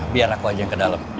biar aku aja yang ke dalam